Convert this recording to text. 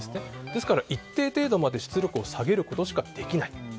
ですから一定程度まで出力を下げることしかできない。